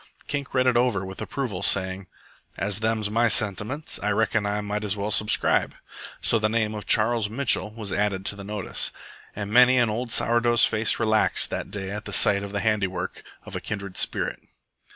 Kink read it over with approval, saying: "As them's my sentiments, I reckon I might as well subscribe." So the name of Charles Mitchell was added to the notice; and many an old sour dough's face relaxed that day at sight of the handiwork of a kindred spirit.